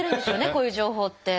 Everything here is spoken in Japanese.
こういう情報って。